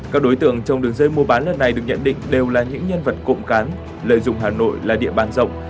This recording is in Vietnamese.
các đối tượng trong đường dây mua bán lần này được nhận định đều là những nhân vật cộng cán lợi dụng hà nội là địa bàn rộng